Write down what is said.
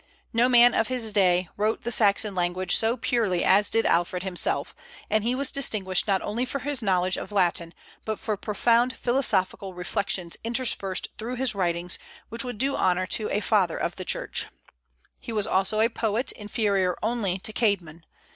No man of his day wrote the Saxon language so purely as did Alfred himself; and he was distinguished not only for his knowledge of Latin, but for profound philosophical reflections interspersed through his writings, which would do honor to a Father of the Church. He was also a poet, inferior only to Caedmon.